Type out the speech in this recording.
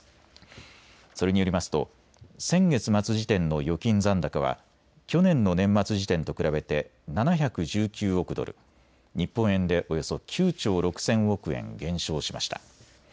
それによりますと先月末時点の預金残高は去年の年末時点と比べて７１９億ドル、日本円でおよそ９兆６０００億円減少しました。